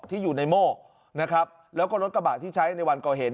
ที่อยู่ในโม่นะครับแล้วก็รถกระบะที่ใช้ในวันก่อเหตุ